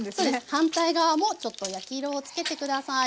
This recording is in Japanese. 反対側もちょっと焼き色をつけて下さい。